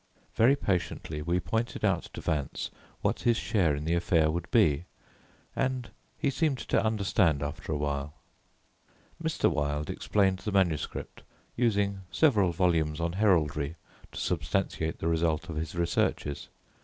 Very patiently we pointed out to Vance what his share in the affair would be, and he seemed to understand after a while. Mr. Wilde explained the manuscript, using several volumes on Heraldry, to substantiate the result of his researches.